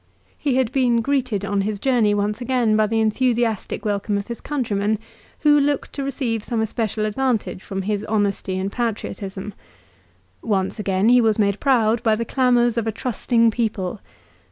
He had been greeted on his journey once again by the enthusias tic welcome of his countrymen, who looked to receive some especial advantage from his honesty and patriotism. Once again he was made proud by the clamours of a trusting people.